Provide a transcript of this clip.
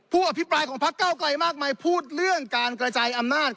อภิปรายของพักเก้าไกลมากมายพูดเรื่องการกระจายอำนาจ